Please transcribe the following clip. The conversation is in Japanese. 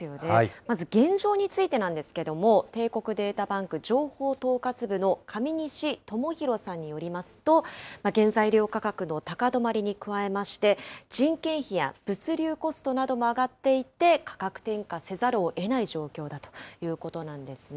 まず現状についてなんですけども、帝国データバンク情報統括部の上西伴浩さんによりますと、原材料価格の高止まりに加えまして、人件費や物流コストなども上がっていて、価格転嫁せざるをえない状況だということなんですね。